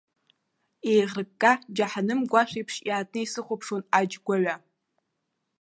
Еиӷрыкка, џьаҳаным гәашә еиԥш иаатны, исыхәаԥшуан аџь гәаҩа.